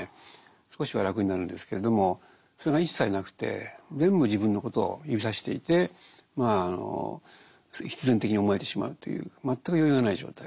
少しは楽になるんですけれどもそれが一切なくて全部自分のことを指さしていて必然的に思えてしまうという全く余裕がない状態。